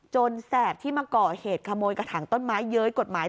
แสบที่มาก่อเหตุขโมยกระถางต้นไม้เย้ยกฎหมาย